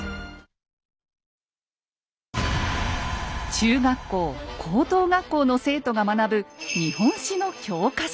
中学校高等学校の生徒が学ぶ日本史の教科書。